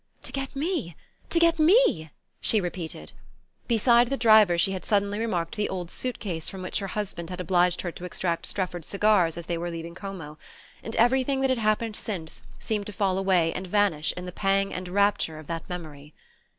"To get me? To get me?" she repeated. Beside the driver she had suddenly remarked the old suit case from which her husband had obliged her to extract Strefford's cigars as they were leaving Como; and everything that had happened since seemed to fall away and vanish in the pang and rapture of that memory.